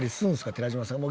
寺島さんも。